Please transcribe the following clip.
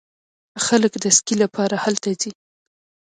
خلک د سکي لپاره هلته ځي.